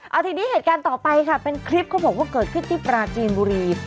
เอาทีนี้เหตุการณ์ต่อไปค่ะเป็นคลิปเขาบอกว่าเกิดขึ้นที่ปราจีนบุรี